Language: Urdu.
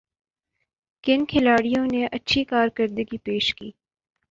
کن کھلاڑیوں نے اچھی کارکردگی پیش کی